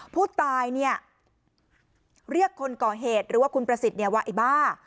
ผู้ตายเนี่ยเรียกคนก่อเหตุหรือว่าคุณประสิทธิ์ว่าไอ้บ้า